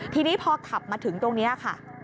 ทีนี้พอขับมาถึงตรงนี้ค่ะ